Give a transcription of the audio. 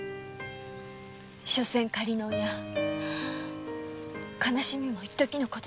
しょせん仮の親悲しみもいっときのことでしょう。